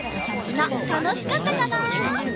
みんなたのしかったかな？